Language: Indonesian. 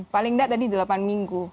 paling tidak tadi delapan minggu